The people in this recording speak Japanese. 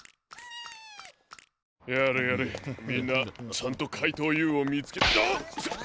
やれやれみんなちゃんとかいとうＵをみつけあっ！